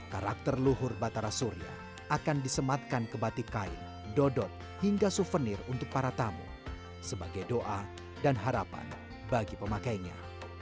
karakter luhur batara surya akan disematkan ke batik kain dodot hingga souvenir untuk para tamu sebagai doa dan harapan bagi pemakainya